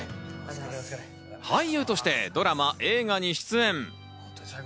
俳優としてドラマ、映画に出演。